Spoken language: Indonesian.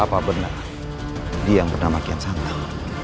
apa benar dia yang bernama kian santri